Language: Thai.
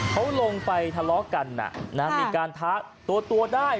เขาลงไปทะเลาะกันมีการท้าตัวได้